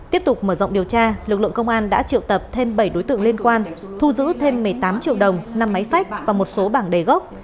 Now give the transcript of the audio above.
tiếp tục mở rộng điều tra lực lượng công an đã triệu tập thêm bảy đối tượng liên quan thu giữ thêm một mươi tám triệu đồng năm máy phách và một số bảng đề gốc